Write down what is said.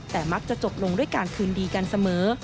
แต่มักจะจบลงด้วยการคืนดีกันเสมอ